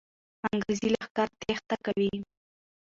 انګریزي لښکر تېښته کوي.